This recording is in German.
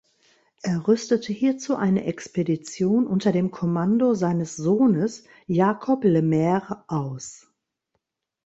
Er rüstete hierzu eine Expedition unter dem Kommando seines Sohnes Jacob Le Maire aus.